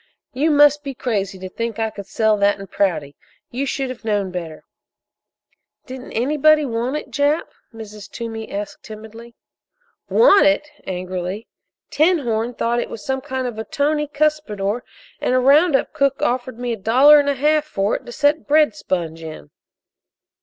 "You must be crazy to think I could sell that in Prouty! You should have known better!" "Didn't anybody want it, Jap?" Mrs. Toomey asked timidly. "Want it?" angrily. "'Tinhorn' thought it was some kind of a tony cuspidor, and a round up cook offered me a dollar and a half for it to set bread sponge in."